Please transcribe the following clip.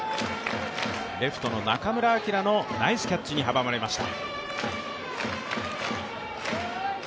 レフトの中村晃のナイスキャッチに阻まれました。